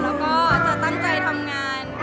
และจางใจทำงาน